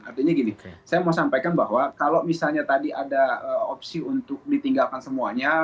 artinya gini saya mau sampaikan bahwa kalau misalnya tadi ada opsi untuk ditinggalkan semuanya